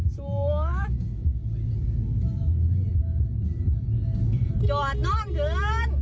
จอดนอนเหยิน